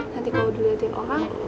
nanti kalau diliatin orang